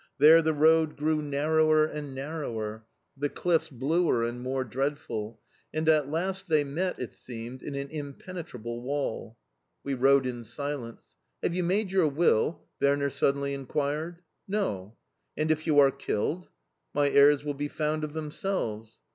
There the road grew narrower and narrower, the cliffs bluer and more dreadful, and at last they met, it seemed, in an impenetrable wall. We rode in silence. "Have you made your will?" Werner suddenly inquired. "No." "And if you are killed?" "My heirs will be found of themselves."